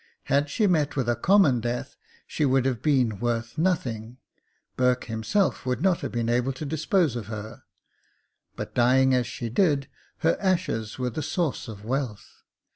Had she met with a common death, she would have been worth nothing. Burke himself would not have been able to dispose of her ; but dying as she did, her ashes were the source of wealth.